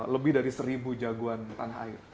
lebih dari seribu jagoan tanah air